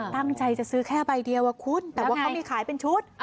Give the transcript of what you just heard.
ตั้งใจจะซื้อแค่ใบเดียวอะคุณแต่ว่าเขามีขายเป็นชุด